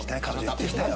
言ってきたよ。